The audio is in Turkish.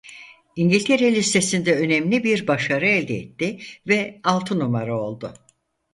İngiltere listesinde önemli bir başarı elde etti ve altı numara oldu.